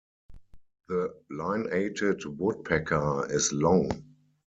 The lineated woodpecker is long.